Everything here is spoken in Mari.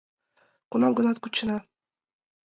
Кунам-гынат кучена.